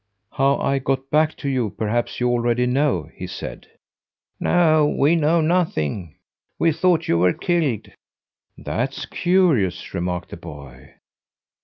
"How I got back to you perhaps you already know?" he said. "No, we know nothing. We thought you were killed." "That's curious!" remarked the boy.